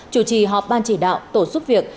chủ trì họp ban chỉ đạo tổ xuất việc